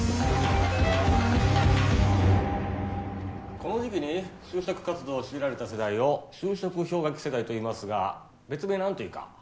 この時期に就職活動を強いられた世代を就職氷河期世代と言いますが別名なんと言うか。